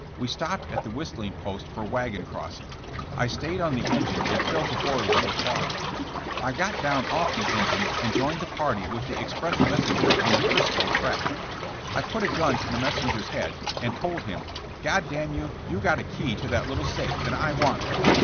We stopped at the whistling post for wagon crossing. I stayed on the engine and filled the toiler with water. I got down off the engine and joined the party with the express messenger on the 'Frisco' track. 128 JESS« JAMnS> *'I put a gun to the messenger's head and told him, ' God damn you, you got a key to that little safe and I want it.